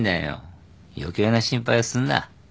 余計な心配はすんな